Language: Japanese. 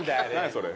それ。